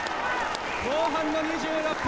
後半の２６分！